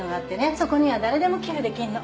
そこには誰でも寄付できるの。